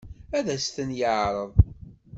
Ad sen-ten-yeɛṛeḍ?